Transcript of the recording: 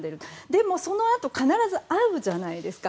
でもそのあと必ず会うじゃないですか。